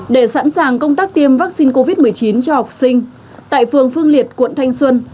để sẵn sàng công tác tiêm vaccine covid một mươi chín cho học sinh tại phường phương liệt quận thanh xuân